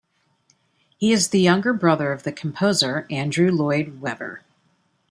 He is the younger brother of the composer Andrew Lloyd Webber.